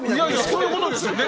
そういうことですよね。